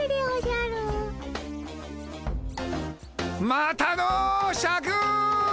またのシャク！